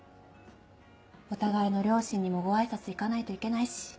お互いの両親にもご挨拶行かないといけないし。